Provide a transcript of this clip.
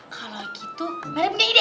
kalau gitu meli punya ide